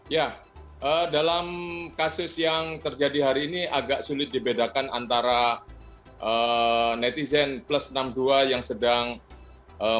ya dalam kasus yang terjadi hari ini agak sulit dibedakan antara netizen plus enam puluh dua yang sedang berjalan